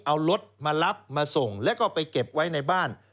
เอารถมารับมาส่งแล้วก็ไปเก็บไว้ในบ้าน